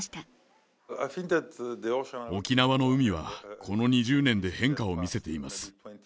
沖縄の海はこの２０年で変化を見せています。